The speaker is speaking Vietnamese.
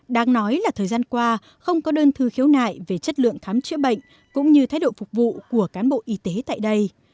đáng nói là thời gian qua không có đơn thư khiếu nại về chất lượng khám chữa bệnh cũng như thái độ phục vụ của cán bộ y tế tại đây